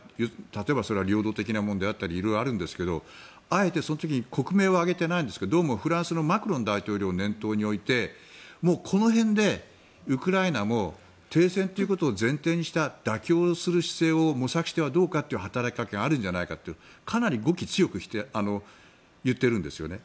例えばそれは領土的なものであったり色々あるんですけどあえてその時に国名は挙げていないんですがどうもフランスのマクロン大統領を念頭に置いてこの辺でウクライナも停戦ということを前提にした妥協をする姿勢を模索してはどうかという働きかけがあるんじゃないかとかなり語気を強くして言っているんですね。